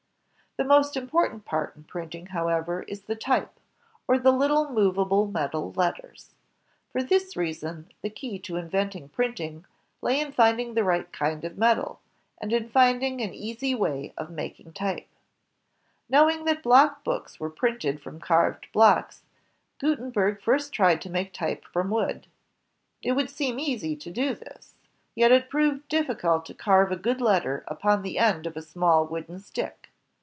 The most important part, in printing, however, is the type, or the little movable metal letters. For this reason, the key to inventing printing lay in finding the right kind of metal, and in finding an easy way of making type. Knowing that block books were printed from carved blocks, Gutenberg first tried to make type from wood. It would seem easy to do this. Yet it proved difficult to carve a good letter upon the end of a small wooden stick.